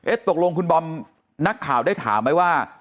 ตกลงคุณบอมนักข่าวได้ถามไหมว่า